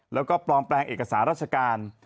และปลอมแปลงเอกสาราชการ